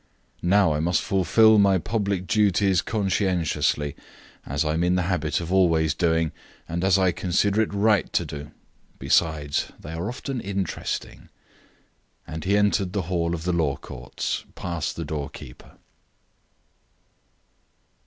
"Now I must fulfil my public duties conscientiously, as I am in the habit of always doing, and as I consider it right to do. Besides, they are often interesting." And he entered the hall of the Law Courts, past the doorkeeper.